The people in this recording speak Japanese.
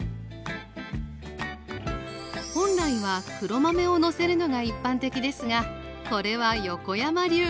本来は黒豆をのせるのが一般的ですがこれは横山流。